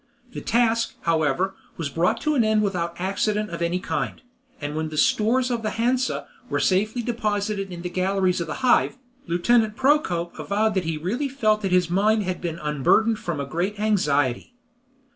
The task, however, was brought to an end without accident of any kind; and when the stores of the Hansa were safely deposited in the galleries of the Hive, Lieutenant Procope avowed that he really felt that his mind had been unburdened from a great anxiety.